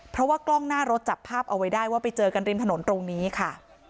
เพราะว่ากล้องหน้ารถจับภาพเอาไว้ได้ว่าไปเจอกันริมถนนตรงนี้ค่ะ